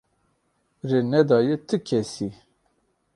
Rê nedaye ti kesî.